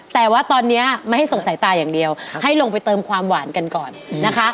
แต่ว่าตอนนี้ไม่ให้ส่งสายตาอย่างเดียวให้ลงไปเติมความหวานกันก่อนนะคะ